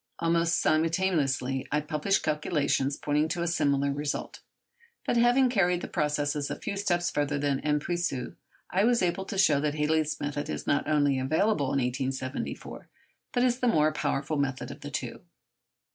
Almost simultaneously I published calculations pointing to a similar result; but having carried the processes a few steps further than M. Puiseux, I was able to show that Halley's method is not only available in 1874, but is the more powerful method of the two.